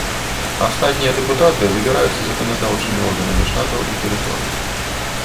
Астатнія дэпутаты выбіраюцца заканадаўчымі органамі штатаў і тэрыторый.